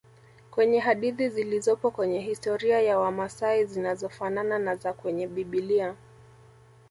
Kwenye hadithi zilizopo kwenye historia ya wamasai zinazofanana na za kwenye bibilia